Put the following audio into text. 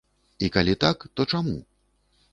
І калі так, то чаму?